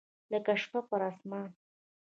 لکه شپه پر اسمان